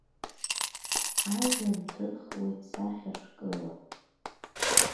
Ажәҩан ҭырхуеит сахьашәкыла.